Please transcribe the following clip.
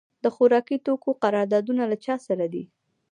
د خوراکي توکو قراردادونه له چا سره دي؟